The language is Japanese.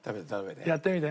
やってみて。